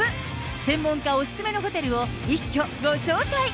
専門家お勧めのホテルを一挙ご紹介。